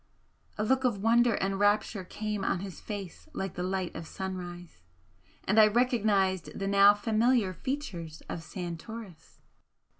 A look of wonder and rapture came on his face like the light of sunrise, and I RECOGNISED THE NOW FAMILIAR FEATURES OF SANTORIS!